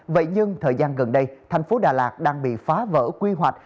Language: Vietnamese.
vậy nhưng thời gian gần đây thành phố đà lạt đang bị phá vỡ quy hoạch